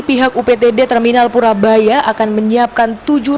pihak uptd terminal purabaya akan menyiapkan